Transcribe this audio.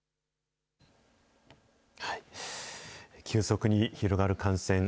急速に広がる感染。